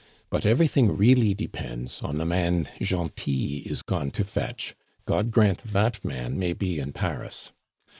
But everything really depends on the man Gentil is gone to fetch. God grant that man may be in Paris!